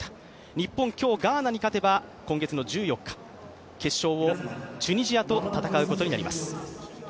日本、今日ガーナに勝てば、１４日、決勝をチュニジアと戦うことになります。